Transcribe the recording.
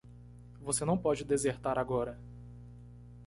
Você não pode desertar agora.